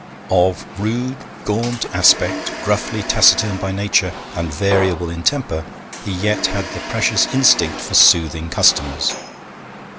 Of rude, gaunt aspect, gruffly taciturn by nature, and variable in temper, he yet had the precious instinct for soothing customers.